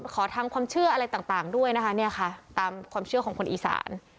ขอทั้งความเชื่ออะไรต่างด้วยนะคะตามความเชื่อของคนอีสาน